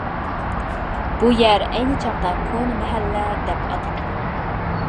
بۇ يەر ئەينى چاغدا كونا مەھەللە دەپ ئاتىلىدۇ.